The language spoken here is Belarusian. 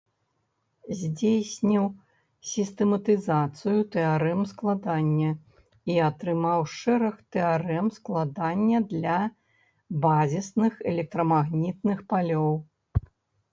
Здзейсніў сістэматызацыю тэарэм складання і атрымаў шэраг тэарэм складання для базісных электрамагнітных палёў.